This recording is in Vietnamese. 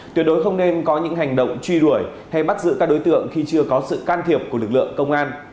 tuyệt đối không nên có những hành động truy đuổi hay bắt giữ các đối tượng khi chưa có sự can thiệp của lực lượng công an